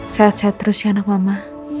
sehat sehat terus ya anak mama